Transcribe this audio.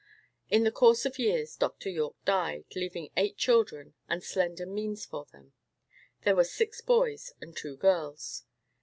In the course of years Dr. Yorke died, leaving eight children, and slender means for them. There were six boys and two girls.